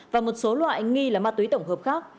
và một số loại nghi là ma túy tổng hợp khác